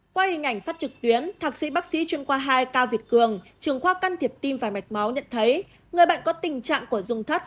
qua hình ảnh phát trực tuyến thạc sĩ bác sĩ chuyên khoa hai cao việt cường trường khoa can thiệp tim và mạch máu nhận thấy người bệnh có tình trạng của dùng thắt